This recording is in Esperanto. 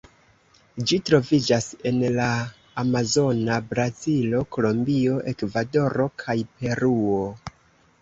Ĝi troviĝas en la amazona Brazilo, Kolombio, Ekvadoro kaj Peruo.